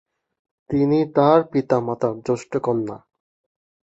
তিনি তার পিতা-মাতার জ্যেষ্ঠ কন্যা।